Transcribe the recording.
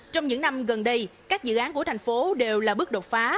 trong những năm gần đây các dự án của thành phố đều là bước đột phá